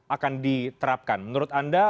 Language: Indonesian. akan diterapkan menurut anda